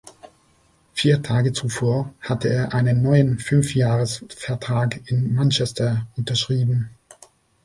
Vier Tage zuvor hatte er einen neuen Fünfjahresvertrag in Manchester unterschrieben.